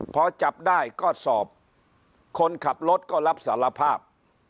พอจับได้ก็สอบคนขับรถก็รับสารภาพ